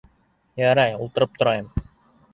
Ярай, ултырып торайым.